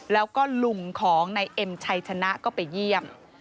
แล้วก็ลุงของนายเอ็มชัยชนะก็ไปเยี่ยม